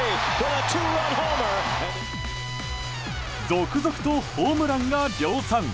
続々とホームランが量産。